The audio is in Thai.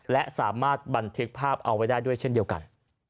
และสามารถบันทึกภาพเอาไว้ได้ด้วยเช่นเดียวกัน